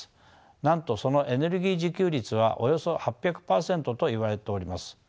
なんとそのエネルギー自給率はおよそ８００％といわれております。